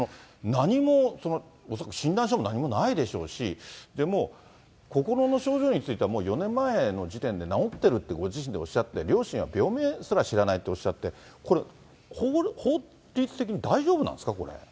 何も、恐らく診断書も何もないでしょうし、心の症状については、もう４年前の時点で治っているってご自身でおっしゃって、両親は病名すら知らないっておっしゃって、これ、法律的に大丈夫なんですか、これ。